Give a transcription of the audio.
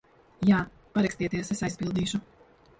Jā. Parakstieties, es aizpildīšu.